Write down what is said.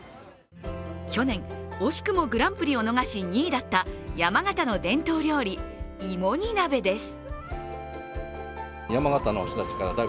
去年、惜しくもグランプリを逃し２位だった山形の伝統料理、いも煮鍋です。